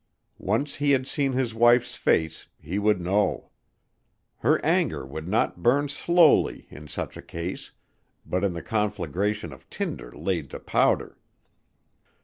Once he had seen his wife's face he would know. Her anger would not burn slowly, in such a case, but in the conflagration of tinder laid to powder.